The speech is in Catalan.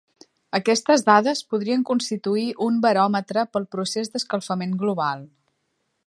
Aquestes dades podrien constituir un baròmetre pel procés d'escalfament global.